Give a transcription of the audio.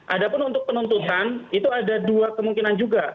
ada pun untuk penuntutan itu ada dua kemungkinan juga